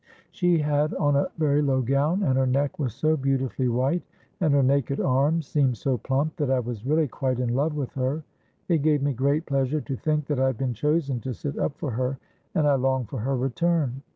She had on a very low gown, and her neck was so beautifully white, and her naked arms seemed so plump, that I was really quite in love with her. It gave me great pleasure to think that I had been chosen to sit up for her, and I longed for her return.